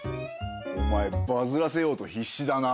お前バズらせようと必死だな。